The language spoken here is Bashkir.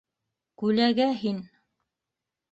- Күләгә һин!